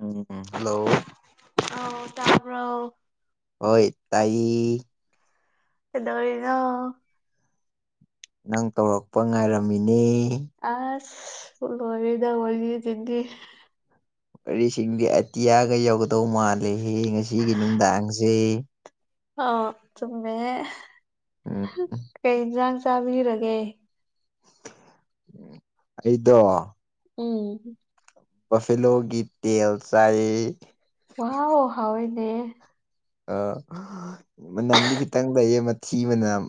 ꯎꯝ hello ꯑꯥ ꯇꯕ ꯍꯣꯏ ꯇꯥꯏ ꯀꯩꯗꯧꯔꯤꯅꯣ ꯅꯪ ꯇꯧꯔꯛꯄ ꯉꯥꯏꯔꯝꯃꯤꯅꯦ ꯑꯁ ꯂꯔꯤꯗ ꯋꯥꯔꯤꯒꯤ ꯇꯤꯟꯒꯤ ꯋꯥꯔꯤꯁꯤꯡꯗꯤ ꯑꯇꯤꯌꯥꯒ ꯌꯧꯒꯗꯧ ꯃꯥꯜꯂꯦꯍꯦ ꯉꯁꯤꯒꯤ ꯅꯨꯡꯗꯥꯡꯁꯦ ꯑꯥ ꯁꯨꯝꯃꯦ ꯎꯝ ꯀꯩ ꯏꯟꯁꯥꯡ ꯆꯥꯕꯤꯔꯒꯦ ꯑꯩꯗꯣ ꯑꯣ ꯕꯐꯤꯂꯣꯒꯤ ꯇꯦꯜ ꯆꯥꯏ ꯋꯥ ꯍꯥꯎꯋꯏꯅꯦ ꯑꯥ ꯃꯅꯝꯗꯤ ꯈꯤꯇꯪ ꯂꯩꯌꯦ ꯃꯊꯤ ꯃꯅꯝ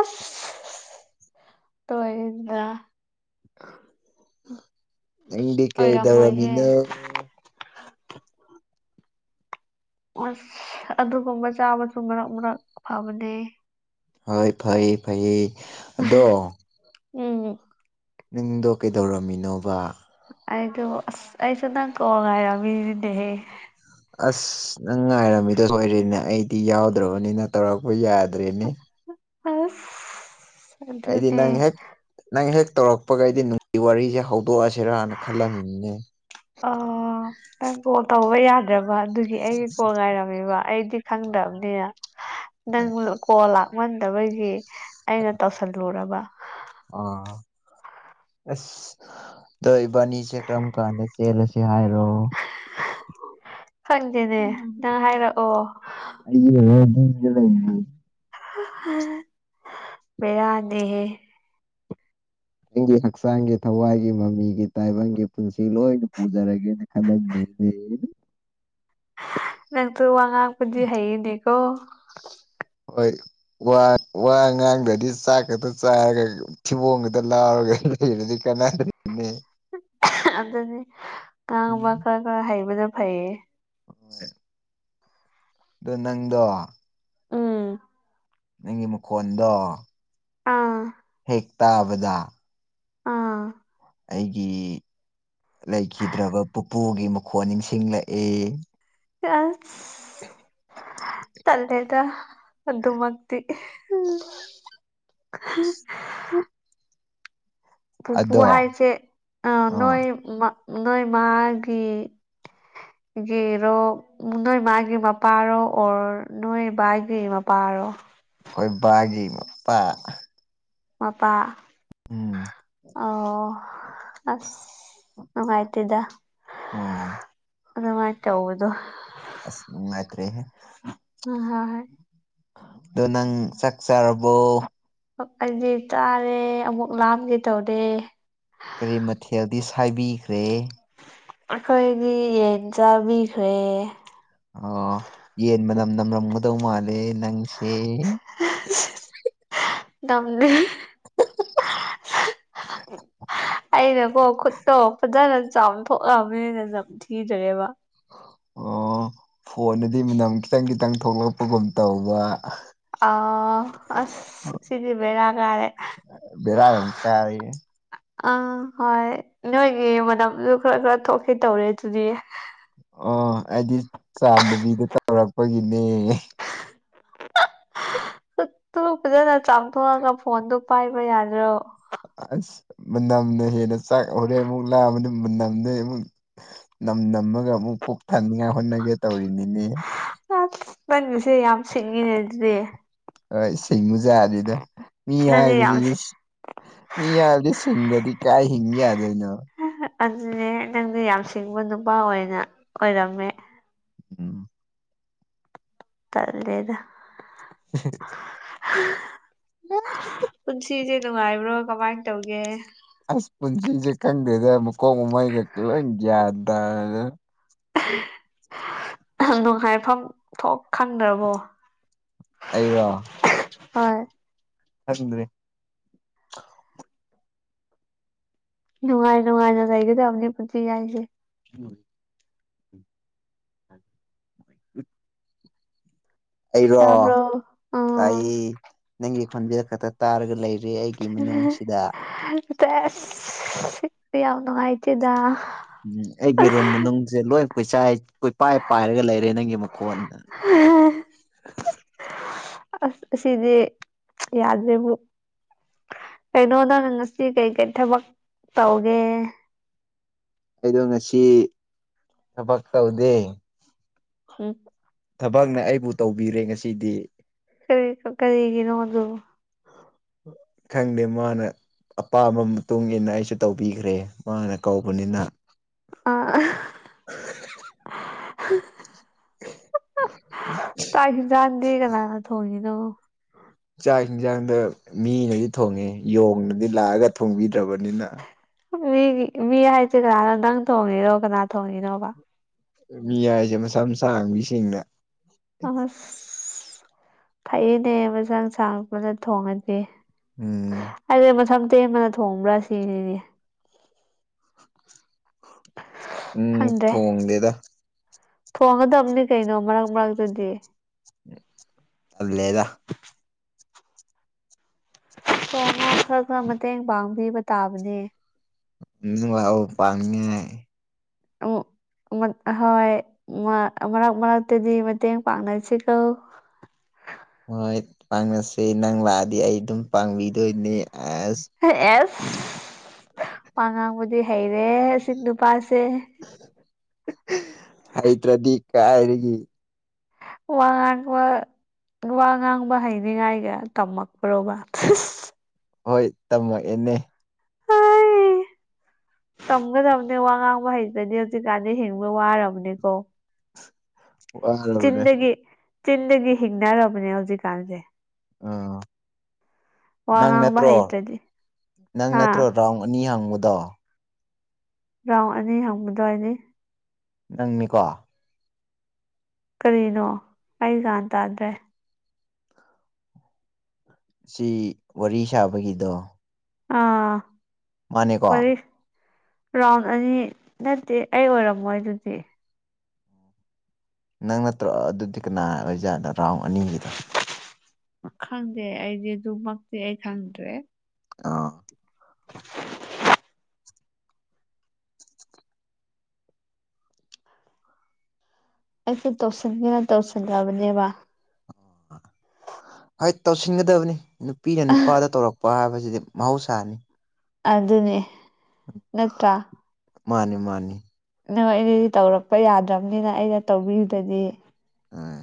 ꯑꯁ ꯇꯣꯏꯗ ꯅꯪꯗꯤ ꯑꯣꯏꯔꯝꯃꯣꯏꯍꯦ ꯀꯩꯗꯧꯔꯝꯃꯤꯅ ꯑꯁ ꯑꯗꯨꯒꯨꯝꯕ ꯆꯥ ꯃꯁꯨ ꯃꯔꯛ ꯃꯔꯛ ꯐꯕꯅꯦ ꯍꯣꯏ ꯐꯩ ꯐꯩ ꯑꯗꯣ ꯎꯝ ꯅꯪꯗꯣ ꯀꯩꯗꯧꯔꯝꯃꯤꯅꯣꯕ ꯑꯩꯗꯣ ꯑꯁ ꯑꯩꯁꯨ ꯅꯪ ꯀꯣꯡ ꯉ ꯍꯥꯏꯔꯝꯃꯤꯗꯤꯅꯦꯍꯦ ꯑꯁ ꯅꯪ ꯉꯥꯏꯔꯝꯃꯤꯗꯣ ꯁꯣꯏꯔꯦꯅꯦ ꯑꯩꯗꯤ ꯌꯥꯎꯗ꯭ꯔꯕꯅꯤꯅ ꯇꯧꯔꯛꯄ ꯌꯥꯗ꯭ꯔꯦꯅꯦ ꯑꯁ ꯑꯩꯗꯤ ꯅꯪ ꯑꯗꯨꯅꯦ ꯍꯦꯛ ꯅꯪ ꯍꯦꯛ ꯇꯧꯔꯛꯄꯒꯩꯗꯤ ꯅꯨꯡꯒꯤ ꯋꯥꯔꯤꯁꯦ ꯍꯧꯗꯣꯛꯑꯁꯤꯔꯅ ꯈꯜꯂꯝꯃꯤꯅꯤꯅꯦ ꯑ ꯅꯪ ꯀꯣꯜ ꯇꯧꯕ ꯌꯥꯗ꯭ꯔꯕ ꯑꯗꯨꯒꯤ ꯑꯩꯒꯤ ꯀꯣꯜ ꯉꯥꯏꯔꯝꯃꯦꯕ ꯑꯩꯗꯤ ꯈꯪꯗ꯭ꯔꯕꯅꯤꯅ ꯅꯪ ꯀꯣ ꯂꯥꯛꯃꯟꯗꯕꯒꯤ ꯑꯩꯅ ꯇꯧ ꯊꯜꯂꯨꯔꯕ ꯑꯥ ꯑꯁ ꯑꯣ ꯏꯕꯥꯅꯤ ꯆꯦ ꯀꯔꯝ ꯀꯥꯟꯗ ꯆꯦꯜꯂꯁꯤ ꯍꯥꯏꯔꯣ ꯐꯪꯗꯦꯅꯦ ꯅꯪ ꯍꯥꯏꯔꯛꯑꯣ ꯑꯩꯒꯤ ꯂꯗꯤ ꯕꯦꯔꯥꯅꯦꯍꯦ ꯑꯩꯒꯤ ꯍꯛꯆꯥꯡꯒꯤ ꯊꯋꯥꯏꯒꯤ ꯃꯃꯤꯒꯤ ꯇꯥꯏꯕꯪꯒꯤ ꯄꯨꯟꯁꯤ ꯂꯣꯏꯅ ꯍꯧꯖꯔꯒꯦꯅꯦ ꯍꯗꯛ [unintelligible] ꯅꯪꯁꯨ ꯋꯥ ꯉꯥꯡꯄꯗꯤ ꯍꯩꯌꯦꯅꯦꯀꯣ ꯍꯣꯏ ꯋꯥ ꯋꯥ ꯉꯥꯡꯗ꯭ꯔꯗꯤ ꯆꯥꯛ ꯈꯛꯇ ꯆꯥꯔꯒ ꯊꯤꯕꯣꯡꯒꯗ ꯂꯥꯎꯔꯒ ꯂꯩꯔꯗꯤ ꯀꯅꯥꯗꯔꯦ ꯑꯗꯨꯅꯦ ꯑꯗꯨꯗꯤ ꯉꯥꯡꯕ ꯈꯔ ꯈꯔ ꯍꯩꯕꯅ ꯐꯩꯌꯦ ꯍꯣꯏ ꯑꯗꯣ ꯅꯪꯗꯣ ꯎꯝ ꯅꯪꯒꯤ ꯃꯈꯣꯟꯗꯣ ꯑꯥ ꯍꯦꯛ ꯇꯥꯕꯗ ꯑꯥ ꯑꯩꯒꯤ ꯂꯩꯈꯤꯗ꯭ꯔꯕ ꯄꯨꯄꯨꯒꯤ ꯃꯈꯣ ꯅꯤꯡꯁꯤꯡꯂꯛꯑꯦ ꯑꯁ [inaudible] ꯇꯜꯂꯦꯗ ꯑꯗꯨꯃꯛꯇꯤ ꯄꯨꯄꯨ ꯑꯗꯣ ꯍꯥꯏꯁꯦ ꯑ ꯑꯥ ꯅꯣꯏ ꯃ ꯅꯣꯏ ꯃꯥꯒꯤ ꯒꯤꯔꯣ ꯅꯣꯏ ꯃꯥꯒꯤ ꯃꯥ ꯄꯥꯥꯔꯣ ꯑꯣꯔ ꯅꯣꯏ ꯕꯥꯒꯤ ꯃꯄꯥꯔꯣ ꯑꯩꯈꯣꯏ ꯕꯥꯒꯤ ꯃꯄꯥ ꯃꯄꯥ ꯎꯝ ꯑꯣ ꯑꯁ ꯑꯥꯏꯇꯦꯗ ꯎꯝ ꯑꯗꯨꯃꯥꯏ ꯇꯥꯥꯎꯕꯗꯣ ꯑꯁ ꯅꯨꯡꯉꯏꯇ꯭ꯔꯦꯍꯦ ꯑ ꯍꯣꯏ ꯍꯣꯏ ꯑꯗꯨ ꯅꯪ ꯆꯠ ꯆꯔꯕꯣ ꯑꯩꯗꯤ ꯆꯥꯔꯦ ꯑꯃꯨꯛ ꯂꯥꯝꯒꯦ ꯇꯧꯔꯦ ꯀꯔꯤ ꯃꯊꯦꯜꯗꯤ ꯁꯥꯏꯕꯤꯈ꯭ꯔꯦ ꯑꯩꯈꯣꯏꯗꯤ ꯌꯦꯟ ꯆꯥꯕꯤꯈ꯭ꯔꯦ ꯑꯣ ꯌꯦꯟ ꯃꯅꯝ ꯅꯝꯔꯝꯒꯗꯧ ꯃꯥꯜꯂꯦ ꯅꯪꯁꯦ ꯅꯝꯗꯦ [inaudible] ꯑꯩꯅꯀꯣ ꯈꯨꯠꯇꯣ ꯐꯖꯅ ꯆꯥꯝꯊꯣꯛꯂꯑꯕꯅꯤꯅ ꯅꯝꯊꯤꯗ꯭ꯔꯦꯕ ꯑꯣ ꯐꯣꯟꯗꯗꯤ ꯃꯅꯝ ꯈꯤꯇꯪ ꯈꯤꯇꯪ ꯊꯣꯛꯂꯛꯄꯒꯨꯝ ꯇꯧꯕ ꯑꯣ ꯑꯁ ꯁꯤꯗꯤ ꯕꯦꯔꯥ ꯀꯥꯔꯦ ꯕꯤꯔꯥ ꯑꯃꯨ ꯀꯥꯏꯌꯦ ꯑ ꯍꯣꯏ ꯅꯣꯏꯒꯤ ꯃꯅꯝꯁꯨ ꯈꯔ ꯈꯔ ꯊꯣꯛꯀꯦ ꯇꯧꯔꯦ ꯑꯗꯨꯗꯤ ꯑꯣ ꯑꯩꯗꯤ ꯆꯥꯝꯗꯕꯤꯗ ꯇꯧꯔꯛꯄꯒꯤꯅꯦ ꯈꯨꯠꯇꯨ ꯐꯖꯅ ꯆꯥꯝꯊꯣꯛꯑꯒ ꯐꯣꯟꯗꯣ ꯄꯥꯏꯕ ꯌꯥꯗ꯭ꯔꯣ ꯑꯁ ꯃꯅꯝꯅ ꯍꯦꯟꯅ ꯆꯥꯛ ꯍꯣꯔꯦꯟ ꯑꯃꯨꯛ ꯂꯝꯕꯗ ꯃꯅꯝꯅ ꯑꯃꯨꯛ ꯅꯝ ꯅꯝꯃꯒ ꯑꯃꯨꯛ ꯄꯨꯛ ꯊꯥꯟꯅꯤꯡꯉꯥꯏ ꯍꯣꯠꯅꯒꯦ ꯇꯧꯔꯤꯅꯤꯅꯦ ꯑꯁ ꯅꯟꯁꯦ ꯌꯥꯝ ꯁꯤꯡꯉꯤꯅꯦ ꯑꯗꯨꯗꯤ ꯍꯣꯏ ꯁꯤꯡ ꯕꯖꯥꯅꯤꯗ ꯃꯤ ꯅꯪꯗꯤ ꯌꯥꯝ ꯍꯥꯏꯕꯁꯤꯗꯤ ꯃꯤ ꯍꯥꯏꯕꯗꯤ ꯁꯤꯡꯗꯗꯤ ꯀꯥꯏ ꯍꯤꯡꯒꯦ ꯌꯥꯗꯣꯏꯅꯣ ꯑꯗꯨꯅꯦ ꯅꯪꯗꯤ ꯌꯥꯝ ꯁꯤꯡꯕ ꯅꯨꯄꯥ ꯑꯣꯏꯅ ꯑꯣꯏꯔꯝꯃꯦ ꯎꯝ ꯇꯜꯂꯦꯗ [inaudible] ꯄꯨꯟꯁꯤꯁꯦ ꯅꯨꯡꯉꯥꯏꯕ꯭ꯔꯣ ꯀꯃꯥꯏꯅ ꯇꯧꯒꯦ ꯑꯁ ꯄꯨꯟꯁꯤꯁꯦ ꯈꯪꯗꯦꯗ ꯃꯨꯀꯣꯡ ꯃꯃꯩꯒ ꯂꯣꯢ ꯒ꯭ꯌꯥꯟ ꯇꯥꯗꯦꯗ ꯅꯨꯡꯉꯥꯏꯐꯝ ꯊꯣꯛ ꯈꯪꯗ꯭ꯔꯕꯣ ꯑꯩꯔꯣ ꯍꯣꯢ ꯅꯁꯪꯗꯔꯦ [inaudible] ꯅꯨꯡꯉꯥꯏ ꯅꯨꯡꯉꯥꯏꯅ ꯂꯩꯒꯗꯕꯅꯤ ꯄꯨꯟꯁꯤ ꯍꯥꯏꯁꯦ ꯎꯝ [inaudible] ꯑꯩꯔꯣ ꯇꯥꯕ꯭ꯔꯣ ꯎꯝ ꯇꯥꯏꯌꯦ ꯅꯪꯒꯤ ꯈꯣꯟꯖꯦꯟ ꯈꯛꯇ ꯇꯥꯔꯒ ꯂꯩꯔꯦ ꯑꯩꯒꯤ ꯃꯅꯨꯡꯁꯤꯗ ꯁꯦꯁ ꯌꯥꯝ ꯅꯨꯡꯉꯥꯏꯇꯦꯗ ꯎꯝ ꯑꯩꯒꯤ ꯔꯨꯝ ꯃꯅꯨꯡꯁꯦ ꯂꯣꯏ ꯀꯨꯆꯥꯏ ꯀꯨꯄꯥꯏ ꯄꯥꯏꯔꯒ ꯂꯩꯔꯦ ꯅꯪꯒꯤ ꯃꯈꯣꯟꯅ [inaudible] ꯑꯁ ꯑꯁꯤꯗꯤ ꯌꯥꯗ꯭ꯔꯦꯕꯨ ꯀꯩꯅꯣ ꯅꯪꯅ ꯉꯁꯤ ꯀꯩ ꯀꯩ ꯊꯕꯛ ꯇꯧꯒꯦ ꯑꯩꯗꯣ ꯉꯁꯤ ꯊꯕꯛ ꯇꯧꯗꯦ ꯎꯝ ꯊꯕꯛꯅ ꯑꯩꯕꯨ ꯇꯧꯕꯤꯔꯦ ꯉꯁꯤꯗꯤ ꯀꯔꯤ ꯀꯔꯤꯒꯤꯅꯣ ꯑꯗꯨ ꯈꯪꯗꯦ ꯃꯥꯅ ꯑꯄꯥꯝꯕ ꯃꯇꯨꯡ ꯏꯟꯅ ꯑꯩꯁꯨ ꯇꯧꯕꯤꯈ꯭ꯔꯦ ꯃꯥꯅ ꯀꯧꯕꯅꯤꯅ ꯑꯥ [inaudible] [inaudible] [inaudible] ꯇꯥꯛ ꯍꯦꯟꯖꯥꯡꯗꯤ ꯀꯅꯥꯅ ꯊꯣꯡꯉꯤꯅꯣ ꯆꯥꯛ ꯌꯦꯟꯖꯥꯡꯅ ꯃꯤꯅꯗꯤ ꯊꯣꯡꯉꯦ ꯌꯣꯡꯅꯗꯤ ꯂꯥꯛꯑꯒ ꯊꯣꯡꯕꯤꯗ꯭ꯔꯕꯅꯤꯅ ꯃꯤꯒꯤ ꯃꯤ ꯍꯥꯏꯁꯦ ꯀꯅꯥꯅꯣ ꯅꯪ ꯊꯣꯡꯉꯤꯅꯣ ꯀꯅꯥ ꯊꯣꯡꯉꯤꯅꯣꯕ ꯃꯤ ꯍꯥꯏꯁꯦ ꯃꯁꯥ ꯃꯁꯥ ꯁꯤꯡꯅ ꯑꯥꯁ ꯐꯩꯌꯦꯅꯦ ꯃꯁꯥ ꯃꯁꯥ ꯄꯨꯂꯞ ꯊꯣꯡꯉꯗꯤ ꯎꯝ ꯑꯩꯗꯤ ꯇꯦꯟꯕꯔꯥꯅ ꯊꯣꯡꯕ꯭ꯔꯥ ꯁꯤꯅꯤꯅꯦ ꯎꯝ ꯈꯪꯗ꯭ꯔꯦ ꯊꯣꯡꯗꯦꯗ ꯊꯣꯡꯒꯗꯕꯅꯤ ꯀꯩꯅꯣ ꯃꯔꯛ ꯃꯔꯛꯇꯗꯤ ꯇꯜꯂꯦꯗ ꯊꯣꯡꯉꯣ ꯈꯔ ꯈꯔ ꯃꯇꯦꯡ ꯄꯥꯡꯕꯤꯕ ꯇꯥꯕꯅꯦ ꯎꯝ ꯅꯪ ꯂꯥꯎ ꯄꯥꯥꯡꯅꯤꯡꯉꯥꯢ ꯑꯣ ꯍꯣꯏ ꯃꯔꯛ ꯃꯔꯛꯇꯗꯤ ꯃꯇꯦꯡ ꯄꯥꯡꯅꯁꯤ ꯀꯣ ꯍꯣꯏ ꯄꯥꯡꯅꯁꯦ ꯅꯪ ꯂꯥꯛꯑꯗꯤ ꯑꯩ ꯑꯗꯨꯝ ꯄꯥꯡꯕꯤꯗꯣꯏꯅꯦ ꯑꯁ ꯑꯦꯁ ꯋꯥꯉꯥꯡꯕꯗꯤ ꯍꯩꯔꯦ ꯑꯁꯤ ꯅꯨꯄꯥꯁꯦ ꯍꯩꯇ꯭ꯔꯥꯗꯤ ꯀꯥꯏꯗꯒꯤ ꯋꯥ ꯋꯥ ꯋꯥꯉꯥꯡꯕ ꯍꯩꯅꯤꯡꯉꯥꯏꯒ ꯇꯝꯃꯛꯄ꯭ꯔꯣꯕ ꯍꯣꯏ ꯇꯝꯃꯛꯑꯦꯅꯦ ꯇꯝꯒꯗꯕꯅꯦ ꯋꯥ ꯉꯥꯡꯕ ꯍꯩꯇ꯭ꯔꯥꯗꯤ ꯍꯧꯖꯤꯛꯀꯥꯟꯗꯤ ꯍꯤꯡꯕ ꯋꯥꯔꯕꯅꯤꯀꯣ ꯋꯥꯔꯕꯅꯦ ꯆꯤꯟꯗꯒꯤ ꯆꯤꯟꯗꯒꯤ ꯍꯤꯡꯅꯔꯕꯅꯦ ꯍꯧꯖꯤꯛꯀꯥꯟꯁꯦ ꯑꯥ ꯋꯥ ꯅꯪ ꯉꯥꯡꯕ ꯅꯠꯇ꯭ꯔꯣ ꯍꯩꯇ꯭ꯔꯗꯤ ꯅꯪ ꯅꯠꯇ꯭ꯔꯣ ꯍꯥ ꯔꯥꯎꯟ ꯑꯅꯤ ꯍꯪꯕꯗꯣ ꯔꯥꯎꯟ ꯑꯅꯤ ꯍꯪꯕꯗꯣ ꯍꯥꯏꯗꯤ ꯅꯪꯅꯤꯀꯣ ꯀꯔꯤꯅꯣ ꯑꯩ ꯒꯤꯌꯥꯟ ꯇꯥꯗ꯭ꯔꯦ ꯁꯤ ꯋꯥꯔꯤ ꯁꯥꯕꯒꯤꯗꯣ ꯑꯥ ꯃꯥꯅꯦꯀꯣ ꯋꯥꯔꯤ ꯔꯥꯎꯟ ꯑꯅꯤ ꯅꯠꯇꯦ ꯑꯩ ꯑꯣꯏꯔꯝꯃꯣꯏ ꯑꯗꯨꯗꯤ ꯅꯪ ꯅꯠꯇ꯭ꯔꯣ ꯑꯗꯨꯗꯤ ꯀꯅꯥ ꯑꯣꯏꯖꯥꯠꯅꯣ ꯔꯥꯎꯟ ꯑꯅꯤꯒꯤꯗꯣ ꯈꯪꯗꯦ ꯑꯩꯗꯤ ꯑꯗꯨꯃꯛꯇꯤ ꯑꯩ ꯈꯪꯗ꯭ꯔꯦ ꯑꯣ [unintelligible] ꯑꯩꯁꯦ ꯇꯧꯁꯤꯟꯒꯦꯅ ꯇꯧꯁꯤꯜꯅꯕꯅꯦꯕ [inaudible] ꯍꯣꯏ ꯇꯧꯁꯤꯟꯒꯗꯕꯅꯤ ꯅꯨꯄꯤꯅ ꯅꯨꯄꯥꯗ ꯇꯧꯔꯛꯄ ꯍꯥꯏꯕꯁꯤꯗꯤ ꯃꯍꯧꯁꯥꯅꯤ ꯑꯗꯨꯅꯦ ꯅꯠꯇ꯭ꯔꯥ ꯃꯥꯅꯤ ꯃꯥꯅꯤ ꯅꯪ ꯑꯩꯅꯗꯤ ꯇꯧꯔꯛꯄ ꯌꯥꯗ꯭ꯔꯝꯅꯤꯅ ꯑꯩꯅ ꯇꯧꯕꯤꯔꯤꯗꯨꯗꯤ ꯍꯣꯏ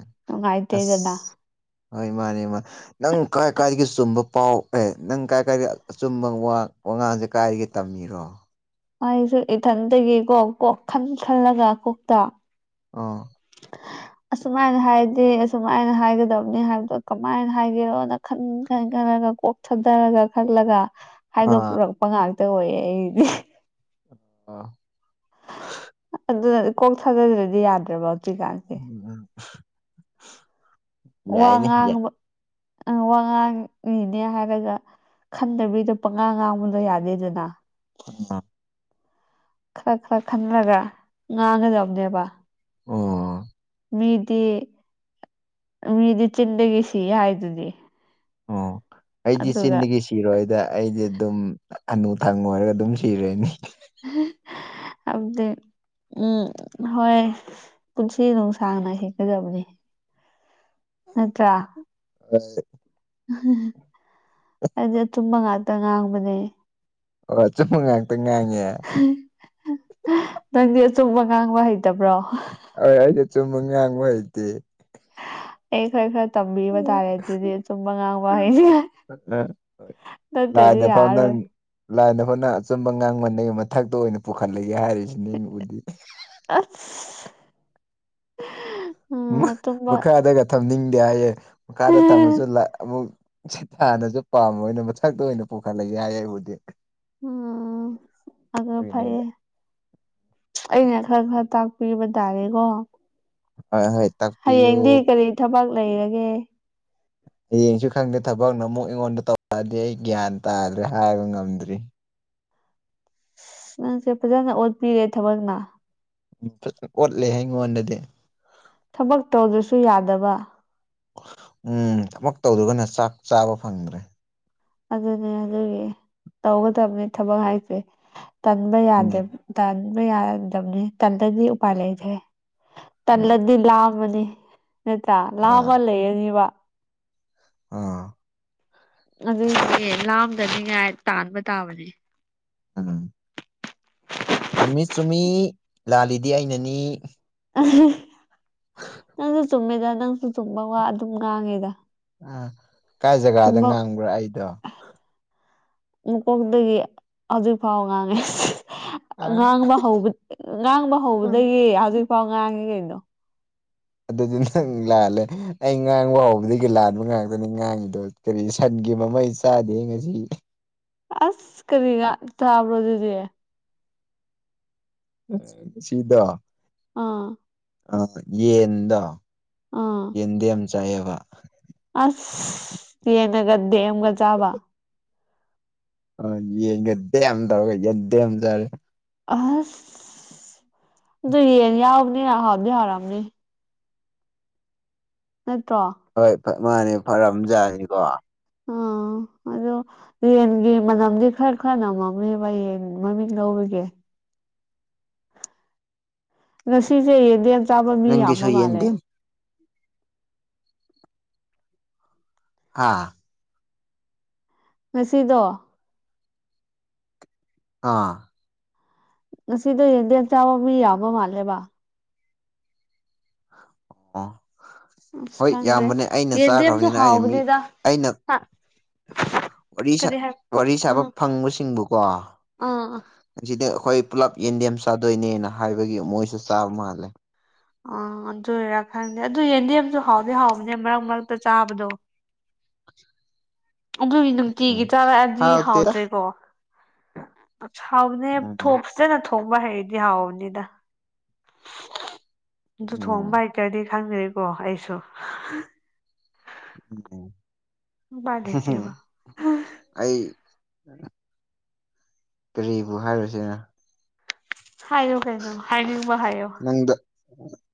ꯑꯁ ꯍꯣꯏ ꯃꯥꯅꯦ ꯃꯥ ꯅꯪ ꯀꯥꯏ ꯀꯥꯏꯗꯒꯤ ꯆꯨꯝꯕ ꯄꯥꯎ ꯑꯦ ꯅꯪ ꯀꯥꯏ ꯀꯥꯏꯗ ꯑꯆꯨꯝꯕ ꯋꯥ ꯋꯥꯉꯥꯡꯁꯦ ꯀꯥꯏꯗꯒꯤ ꯇꯝꯃꯤꯔꯣ ꯑꯩꯁꯨ ꯏꯊꯟꯇꯒꯤꯀꯣ ꯀꯣꯛ ꯈꯟ ꯈꯜꯂꯒ ꯀꯣꯛꯇ ꯑꯣ [unintelligible] ꯑꯁꯨꯃꯥꯏꯅ ꯍꯥꯏꯗꯤ ꯑꯁꯨꯃꯥꯏꯅ ꯍꯥꯏꯒꯗꯕꯅꯤ ꯍꯥꯏꯕꯗꯣ ꯀꯃꯥꯏꯅ ꯍꯥꯏꯒꯦꯔꯣꯅ ꯈꯟ ꯈꯟ ꯈꯜꯂꯒ ꯀꯣꯛ ꯊꯛꯗꯥꯔꯒ ꯈꯜꯂꯒ ꯑꯥ ꯍꯥꯏꯗꯣꯛꯔꯛꯄ ꯉꯥꯛꯇ ꯑꯣꯏꯌꯦ ꯑꯩꯗꯤ ꯑꯣ ꯑꯗꯨꯅ ꯀꯣꯛ ꯊꯥꯗꯗ꯭ꯔꯥꯗꯤ ꯌꯥꯗ꯭ꯔꯥꯕ ꯍꯧꯖꯤꯛꯀꯥꯟꯁꯦ [unintelligible] ꯋꯥ ꯌꯥꯏ ꯉꯥꯡꯕ ꯑ ꯋꯥ ꯉꯥꯡꯉꯤꯅꯦ ꯍꯥꯏꯔꯒ ꯈꯟꯗꯕꯤꯗꯥ ꯄꯉꯥ ꯉꯥꯡꯕꯗꯣ ꯌꯥꯗꯦꯗꯥꯅ [unintelligible] ꯈꯔ ꯈꯔ ꯈꯟꯔꯒ ꯉꯥꯡꯒꯗꯕꯅꯦꯕ ꯑꯣ ꯃꯤꯗꯤ ꯃꯤꯗꯤ ꯆꯤꯟꯗꯒꯤ ꯁꯤ ꯍꯥꯏꯗꯨꯗꯤ ꯑꯣ ꯑꯩꯗꯤ ꯑꯗꯨꯒ ꯆꯤꯟꯗꯒꯤ ꯁꯤ ꯁꯤꯔꯣꯏꯗ ꯑꯩꯗꯤ ꯑꯗꯨꯝ ꯍꯅꯨꯊꯪ ꯑꯣꯏꯔꯒ ꯑꯗꯨꯝ ꯁꯤꯔꯦꯅꯤ [unintelligible] ꯑꯝꯗꯤ ꯎꯝ ꯍꯣꯏ ꯄꯨꯟꯁꯤ ꯅꯨꯡ ꯁꯥꯡꯅ ꯍꯤꯡꯒꯗꯕꯅꯦ ꯅꯠꯇ꯭ꯔꯥ [unintelligible] ꯑꯩꯗꯤ ꯑꯆꯨꯝꯕ ꯉꯥꯛꯇ ꯉꯥꯡꯕꯅꯦ ꯑꯣ ꯑꯆꯨꯝꯕ ꯉꯥꯛꯇꯥ ꯉꯥꯡꯉꯦ ꯅꯪꯗꯤ ꯑꯆꯨꯝꯕ ꯉꯥꯡꯕ ꯍꯩꯇꯕ꯭ꯔꯣ ꯍꯣꯏ ꯑꯩꯗꯤ ꯑꯆꯨꯝꯕ ꯉꯥꯡꯕ ꯍꯩꯇꯦ ꯑꯩ ꯈꯔ ꯈꯔ ꯇꯝꯕꯤꯕꯥ ꯇꯥꯔꯦ ꯑꯗꯨꯗꯤ ꯑꯆꯨꯝꯕ ꯉꯥꯡꯕ ꯍꯩꯅꯤꯉꯥꯏ ꯅꯠꯇꯗꯤ ꯌꯥꯔꯣꯏ ꯂꯥꯏꯟ ꯑꯃꯥꯅ ꯑꯆꯨꯝꯕ ꯉꯥꯡꯕꯅꯦ ꯃꯊꯛꯇ ꯑꯣꯏꯅ ꯄꯨꯈꯠꯂꯛꯒꯦ ꯍꯥꯏꯔꯤꯁꯤ [unintelligible] ꯑꯁ [unintelligible] ꯑꯆꯨꯝꯕ ꯃꯈꯥꯗꯒ ꯊꯝꯅꯤꯡꯗꯦ ꯍꯥꯏꯌꯦ ꯃꯈꯥꯗ ꯊꯝꯃꯁꯨ ꯑꯃꯨꯛ ꯁꯤ ꯊꯥꯅꯁꯨ ꯄꯥꯝꯃ ꯑꯣꯏꯅ ꯃꯊꯛꯇ ꯑꯣꯏꯅ ꯄꯨꯈꯠꯂꯛꯏꯦ ꯍꯥꯏꯌꯦ ꯑꯩꯕꯨꯗꯤ ꯎꯝ ꯑꯒ ꯑꯗꯨꯒꯤꯅꯤꯗ ꯐꯥꯏꯌꯦ ꯑꯩꯅ ꯈꯔ ꯈꯔ ꯇꯥꯛꯄꯤꯕ ꯇꯥꯔꯦꯀꯣ ꯍꯣꯏ ꯍꯣꯏ ꯇꯥꯛꯄꯤꯌꯨ ꯍꯌꯦꯡꯗꯤ ꯀꯔꯤ ꯊꯕꯛ ꯂꯩꯔꯒꯦ ꯍꯌꯦꯡꯁꯨ ꯈꯪꯗꯦ ꯊꯕꯛꯅ ꯑꯃꯨꯛ ꯑꯩꯉꯣꯟꯗ ꯇꯧꯔꯛꯑꯗꯤ ꯑꯩ ꯒ꯭ꯌꯥꯟ ꯇꯥꯗ꯭ꯔꯦ ꯍꯥꯏꯕ ꯉꯝꯗ꯭ꯔꯤ ꯑ ꯅꯪꯁꯦ ꯐꯖꯅ ꯑꯣꯠꯄꯤꯔꯦ ꯊꯕꯛꯅ ꯎ ꯐꯖꯅ ꯑꯣꯠꯂꯦ ꯍꯥꯏ ꯑꯩꯉꯣꯟꯗꯗꯤ ꯊꯕꯛ ꯇꯧꯗ꯭ꯔꯁꯨ ꯌꯥꯗꯕ ꯎꯝ ꯊꯕꯛ ꯇꯧꯗꯨꯒꯅ ꯆꯥꯛ ꯆꯥꯕ ꯐꯪꯗ꯭ꯔꯦ ꯑꯗꯨꯅꯦ ꯑꯗꯨꯒꯤ ꯇꯧꯒꯗꯕꯅꯤ ꯊꯕꯛ ꯍꯥꯏꯁꯦ ꯇꯟꯕ ꯌꯥꯗꯦ ꯎꯝ ꯇꯟꯕ ꯌꯥꯔꯗꯕꯅꯤ ꯇꯟꯗꯗꯤ ꯎꯄꯥꯏ ꯂꯩꯈ꯭ꯔꯦ ꯇꯜꯂꯗꯤ ꯑꯥ ꯂꯥꯝꯃꯅꯤ ꯅꯇ ꯂꯥꯝꯃ ꯂꯩꯔꯅꯤꯕ ꯑꯥ ꯑꯗꯨꯗꯤ ꯑꯁ ꯂꯥꯝꯗꯅꯤꯉꯥꯏ ꯇꯥꯟꯕ ꯇꯥꯕꯅꯦ ꯎꯝ ꯆꯨꯝꯃꯤ ꯆꯨꯝꯃꯤ ꯂꯥꯜꯂꯤꯗꯤ ꯑꯩꯅꯅꯤ ꯅꯪꯁꯨ ꯆꯨꯝꯃꯦꯗ ꯅꯪꯁꯨ ꯆꯨꯝꯕ ꯋꯥ ꯑꯗꯨꯝ ꯉꯥꯡꯉꯦꯗ ꯑ ꯀꯥꯏ ꯖꯒꯥꯗ ꯆꯨꯝꯕ ꯉꯥꯡꯕ꯭ꯔꯥ ꯑꯩꯗꯣ ꯃꯀꯣꯛꯇꯒꯤ ꯍꯧꯖꯤꯛ ꯐꯥꯎ ꯉꯥꯡꯉꯦ ꯑꯥ ꯉꯥꯡꯕ ꯍꯧꯕ ꯉꯥꯡꯕ ꯎꯝ ꯍꯧꯕꯗꯒꯤ ꯍꯧꯖꯤꯛꯐꯥꯎ ꯉꯥꯡꯉꯦ ꯀꯩꯅꯣ ꯑꯗꯨꯗꯤ ꯅꯪ ꯂꯥꯜꯂꯦ ꯑꯩ ꯉꯥꯡꯕ ꯍꯥꯎꯕꯗꯒꯤ ꯂꯥꯟꯕ ꯉꯥꯛꯇꯅꯤ ꯉꯥꯡꯉꯤꯗꯣ ꯀꯔꯤ ꯁꯟꯒꯤ ꯃꯃꯩ ꯆꯥꯗꯦ ꯉꯁꯤ ꯑꯁ ꯀꯔꯤꯒ ꯊꯥꯕ꯭ꯔꯣ ꯑꯗꯨꯗꯤ ꯁꯤꯗꯥ ꯑꯥ ꯑ ꯌꯦꯟꯗꯣ ꯑꯥ ꯌꯦꯟꯗꯤ ꯌꯥꯝ ꯆꯥꯏꯑꯕ ꯑꯁ ꯌꯦꯡꯅꯒ ꯗꯦꯝ ꯑꯃꯒ ꯆꯥꯕ ꯑ ꯌꯦꯡꯒꯗꯦ ꯌꯥꯝ ꯇꯧꯔꯒ ꯌꯦꯗꯦꯝ ꯑꯃ ꯇꯔꯦ ꯑꯁ ꯑꯗꯨ ꯌꯦꯟ ꯌꯥꯎꯕꯅꯦꯅ ꯍꯥꯞꯗꯤ ꯍꯥꯔꯛꯑꯝꯅꯤ ꯅꯠꯇ꯭ꯔꯣ ꯍꯣꯏ ꯃꯥꯅꯦ ꯐꯔꯝꯖꯥꯁꯤꯅꯤꯀꯣ ꯑꯥ ꯑꯗꯣ ꯌꯦꯟꯒꯤ ꯃꯅꯝꯗꯤ ꯈꯔ ꯈꯔꯅ ꯃꯝꯃꯦꯕ ꯌꯦꯟ ꯃꯃꯤꯡ ꯂꯧꯕꯒꯦ ꯉꯁꯤꯁꯦ ꯌꯦꯗꯦꯝ ꯆꯥꯕ ꯃꯤ ꯌꯥꯝꯕ ꯅꯪꯒꯤꯁꯨ ꯃꯥꯜꯂꯦ ꯌꯦꯟꯗꯦꯝ ꯍꯥꯥ ꯉꯁꯤꯗꯣ ꯑꯥ ꯉꯁꯤꯗ ꯌꯦꯟꯗꯦꯟ ꯆꯥꯕ ꯃꯤ ꯌꯥꯕ ꯃꯥꯜꯂꯦꯕ ꯑꯣ ꯑꯁ ꯍꯣꯏ ꯈꯪꯗꯦ ꯌꯥꯝꯕꯅꯦ ꯑꯩꯅ ꯌꯦꯟꯗꯦꯝꯁꯨ ꯆꯥꯈ꯭ꯔꯕꯅꯤꯅ ꯑꯩꯅ ꯃꯤ ꯍꯥꯎꯕꯅꯤꯗ ꯑꯩꯅ ꯋꯥꯔꯤ ꯀꯔꯤ ꯍꯥꯏ ꯋꯥꯔꯤ ꯁꯥꯕ ꯎꯝ ꯐꯪꯕꯁꯤꯡꯕꯨꯀꯣ ꯑꯥ ꯁꯤꯗꯤ ꯑꯩꯈꯣꯏ ꯄꯨꯜꯂꯞ ꯌꯦꯟꯗꯦꯝ ꯆꯥꯗꯣꯏꯅꯦꯅ ꯍꯥꯏꯕꯒꯤ ꯃꯣꯏꯁꯨ ꯆꯥꯕ ꯃꯥꯜꯂꯦ ꯑ ꯑꯗꯨ ꯑꯣꯏꯔꯥ ꯈꯪꯗꯦ ꯑꯗꯨ ꯌꯦꯟꯗꯦꯝꯁꯨ ꯍꯥꯎꯗꯤ ꯍꯥꯎꯕꯅꯦ ꯃꯔꯛ ꯃꯔꯛꯇ ꯆꯥꯕꯗꯣ ꯑꯗꯨꯒꯤ ꯅꯨꯡꯇꯤꯒꯤ ꯎꯝ ꯇꯥꯔꯛꯑꯗꯤ ꯍꯥꯎꯇꯦꯗ ꯍꯥꯎꯗ꯭ꯔꯦꯀꯣ ꯑ ꯍꯥꯎꯕꯅꯦ ꯊ ꯎꯝ ꯊꯣꯛ ꯐꯖꯅ ꯊꯣꯡꯕ ꯍꯩꯗꯤ ꯍꯥꯎꯕꯅꯤꯗ ꯑꯗꯨ ꯎꯝ ꯊꯣꯡꯕ ꯍꯇꯔꯗꯤ ꯈꯪꯗꯔꯤꯀꯣ ꯑꯩꯁꯨ ꯑꯗꯨꯗꯣ ꯎꯄꯥꯏ ꯂꯩꯇꯦꯕ ꯑꯍ ꯑꯩ ꯀꯔꯤꯕꯨ ꯍꯥꯏꯔꯨꯁꯤꯅ ꯍꯥꯏꯌꯨ ꯀꯩꯅꯣ ꯍꯥꯏꯅꯤꯡꯕ ꯍꯥꯏꯌꯣ꯫ ꯅꯪꯗꯣ